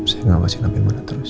saya ngawasin abimu lah terus